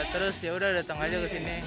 terus ya udah dateng aja ke sini